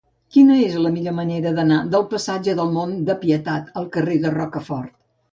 Quina és la millor manera d'anar del passatge del Mont de Pietat al carrer de Rocafort?